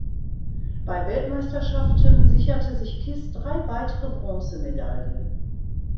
Bei Weltmeisterschaften sicherte sich Kiss drei weitere Bronzemedaillen.